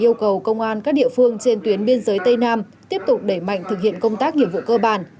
yêu cầu công an các địa phương trên tuyến biên giới tây nam tiếp tục đẩy mạnh thực hiện công tác nhiệm vụ cơ bản